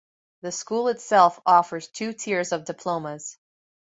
The school itself offers two tiers of diplomas.